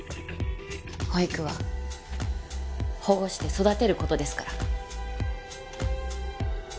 保育は保護して育てる事ですから。